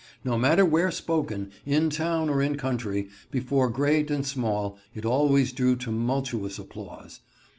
No matter where spoken, in town or in country, before great and small, it always drew tumultuous applause.